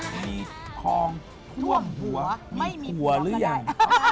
มีคลองท่วมหัวมีควรหรือยัง